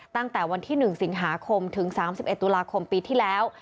ตั้งแต่วันที่๑สิงหาคมถึง๓๑ตุลาคมปีที่แล้ว